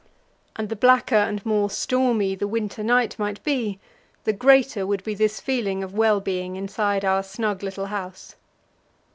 And the blacker and more stormy the winter night might be, the greater would be this feeling of well being inside our snug little house.